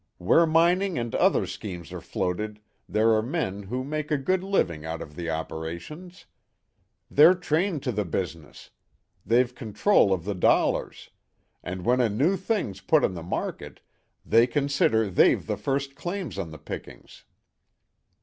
Where mining and other schemes are floated, there are men who make a good living out of the operations. They're trained to the business; they've control of the dollars; and when a new thing's put on the market, they consider they've the first claim on the pickings."